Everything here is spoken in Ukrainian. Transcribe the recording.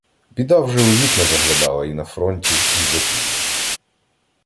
біда вже у вікна заглядала і на фронті, і в запіллі.